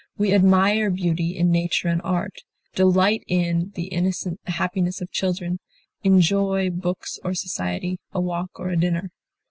We admire beauty in nature and art, delight in the innocent happiness of children, enjoy books or society, a walk or a dinner.